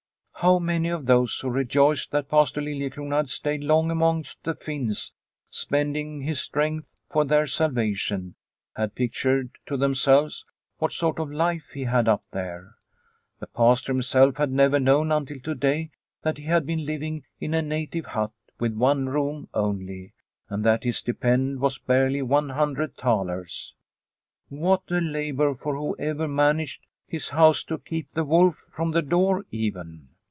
How many of those who rejoiced that Pastor Liliecrona had stayed long amongst the Finns, spending his strength for their salvation, had pictured to themselves what sort of a life he had up there ! The Pastor himself had never known until to day that he had been living in a native hut with one room only, and that his stipend was barely one hundred thalers. What a labour for whoever managed his house to keep the wolf from the door even